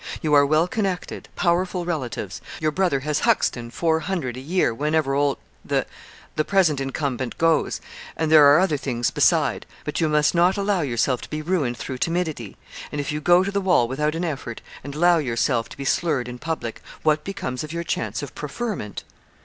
You are well connected powerful relatives your brother has Huxton, four hundred, a year, whenever old the the present incumbent goes and there are other things beside but you must not allow yourself to be ruined through timidity; and if you go to the wall without an effort, and allow yourself to be slurred in public, what becomes of your chance of preferment?'